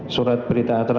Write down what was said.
surat berita atas